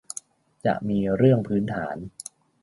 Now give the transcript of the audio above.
จะมีเรื่องพื้นฐาน